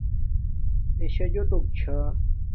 اݺ شݳ جݸٹݸک چھݳ.